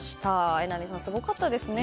榎並さん、すごかったですね。